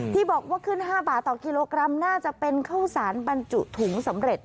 ที่บอกว่าขึ้น๕บาทต่อกิโลกรัมน่าจะเป็นข้าวสารบรรจุถุงสำเร็จ